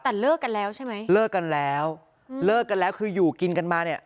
แต่เลิกกันแล้วใช่ไหมเลิกกันแล้วเลิกกันแล้วคืออยู่กินกันมาเนี่ย